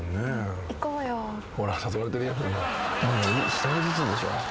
一人ずつでしょ。